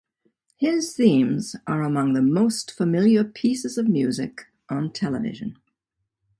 His themes are among "the most familiar pieces of music on television".